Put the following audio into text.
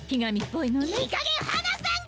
いいかげん離さんかい！